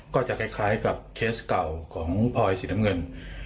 ก็จะคล้ายกับเคสเก่าของพลอยสีน้ำเงิน